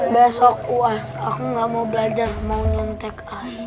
besok uas aku gak mau belajar mau nyontek air